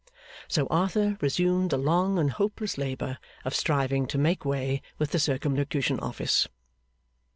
So Arthur resumed the long and hopeless labour of striving to make way with the Circumlocution Office.